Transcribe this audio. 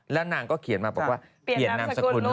แล้วนางก็เขียนมาบอกว่าเปลี่ยนน้ำสกุลล่วงหน้า